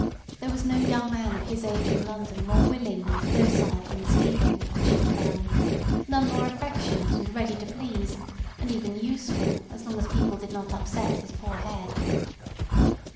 There was no young man of his age in London more willing and docile than Stephen, she affirmed; none more affectionate and ready to please, and even useful, as long as people did not upset his poor head.